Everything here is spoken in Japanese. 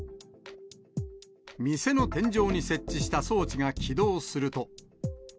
店の天井に設置した装置が起動すると。